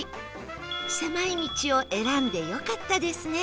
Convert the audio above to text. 狭い道を選んでよかったですね